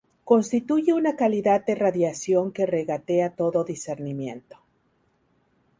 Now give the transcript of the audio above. constituye una calidad de radiación que regatea todo discernimiento